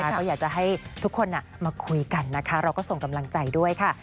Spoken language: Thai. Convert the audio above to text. ก็อยากจะให้ทุกคนมาคุยกันนะคะเราก็ส่งกำลังใจด้วยค่ะ